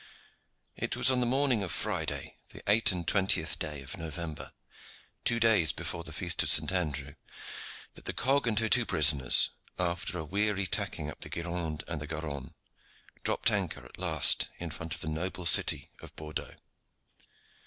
It was on the morning of Friday, the eight and twentieth day of November, two days before the feast of St. Andrew, that the cog and her two prisoners, after a weary tacking up the Gironde and the Garonne, dropped anchor at last in front of the noble city of Bordeaux.